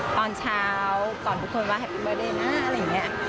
ตอนเช้าก่อนทุกคนว่าแฮปปี้เบอร์เด้นะอะไรอย่างนี้